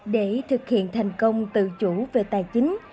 để thực hiện thành công tự chủ về tài chính